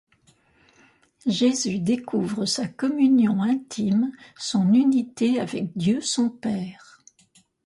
Jésus découvre sa communion intime, son unité avec Dieu son Père.